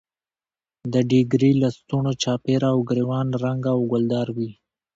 د ډیګرې لستوڼو چاپېره او ګرېوان رنګه او ګلدار وي.